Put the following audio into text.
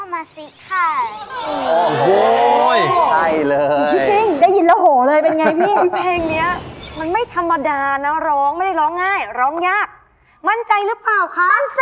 มั่นใจไม่ต้องเกินร้อยสิลูก